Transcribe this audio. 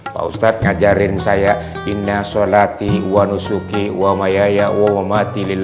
pak ustadz ngajarin saya